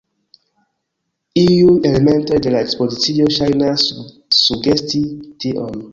Iuj elementoj de la ekspozicio ŝajnas sugesti tion.